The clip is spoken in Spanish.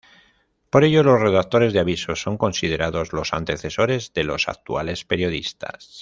Por ello los redactores de avisos son considerados los antecesores de los actuales periodistas.